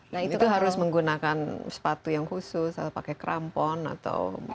nah itu harus menggunakan sepatu yang khusus atau pakai crampon atau tali dan lain sebagainya